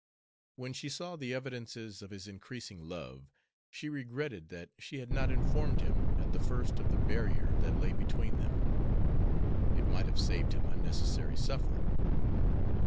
When she saw the evidences of his increasing love she regretted that she had not informed him at the first of the barrier that lay between them; it might have saved him unnecessary suffering.